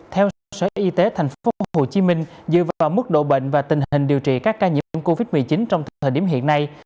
theo sở y tế tp hcm dựa vào mức độ bệnh và tình hình điều trị các ca nhiễm covid một mươi chín trong thời điểm hiện nay